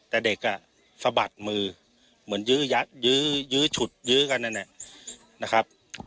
แต่เด็กสะบัดมือเหมือนยื้อชุดยื้อกันแน่